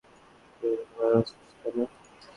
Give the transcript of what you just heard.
তুই আমাকে ভালোবাসিস, তাইনা?